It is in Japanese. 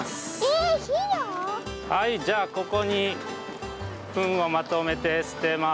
はいじゃあここにふんをまとめてすてます。